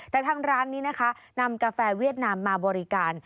แต่ทางร้านนี้นะคะนำกาแฟเวียดนามมาบริการ